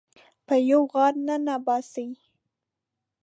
په یوه غار ننه باسي